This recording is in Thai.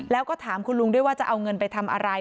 แล้วก็ถามคุณลุงด้วยว่าจะเอาเงินไปทำอะไร